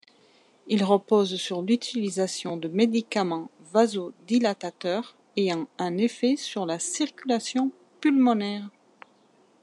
Il repose sur l'utilisation de médicaments vaso-dilatateurs ayant un effet sur la circulation pulmonaire.